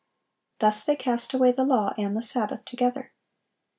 Thus they cast away the law and the Sabbath together.